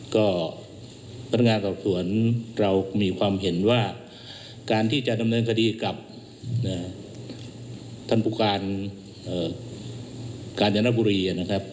ก็พนักงานสอบสวนเรามีความเห็นว่าการที่จะดำเนินคดีกับท่านผู้การกาญจนบุรีนะครับ